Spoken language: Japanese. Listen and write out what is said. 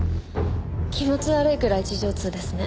気持ち悪いくらい事情通ですね。